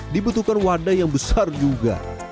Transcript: dibutuhkan wadah yang besar juga